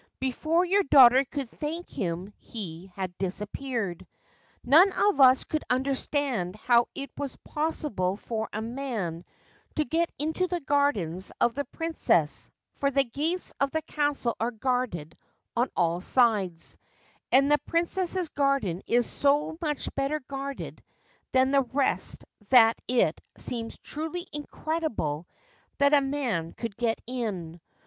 Before your daughter could thank him he had disappeared. None of us could understand how it was possible for a man to get into the gardens of the Princess, for the gates of the castle are guarded on all sides, and the Princess's garden is so much better guarded than the rest that it seems truly incredible that a man could get in.